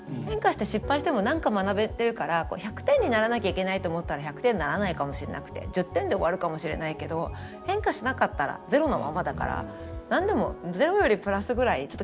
変化して失敗しても何か学べてるから１００点にならなきゃいけないと思ったら１００点にならないかもしれなくて１０点で終わるかもしれないけど変化しなかったらゼロのままだから何でもゼロよりプラスぐらい。